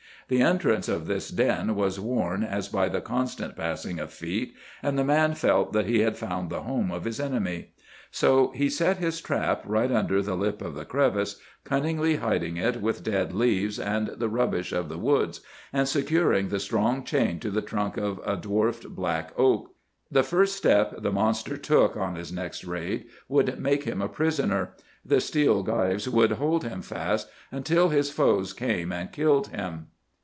The entrance of this den was worn as by the constant passing of feet, and the man felt that he had found the home of his enemy. So he set his trap, right under the lip of the crevice, cunningly hiding it with dead leaves and the rubbish of the woods, and securing the strong chain to the trunk of a dwarfed black oak. The first step the monster took on his next raid would make him a prisoner; the steel gyves would hold him fast until his foes came and killed him.